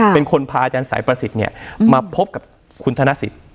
เป็นคนพาอาจารย์สายประสิทธิ์มาพบกับคุณธนสิทธิ์